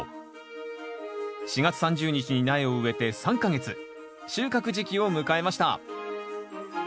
４月３０日に苗を植えて３か月収穫時期を迎えました。